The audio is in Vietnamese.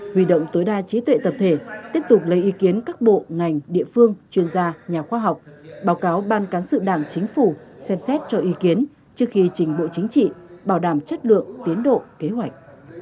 huy động tối đa trí tuệ tập thể tiếp tục lấy ý kiến các bộ ngành địa phương chuyên gia nhà khoa học báo cáo ban cán sự đảng chính phủ xem xét cho ý kiến trước khi trình bộ chính trị bảo đảm chất lượng tiến độ kế hoạch